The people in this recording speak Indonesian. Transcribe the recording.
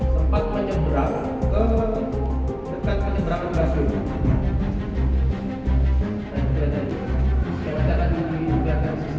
sempat menyeberang ke dekat penyeberangan kasih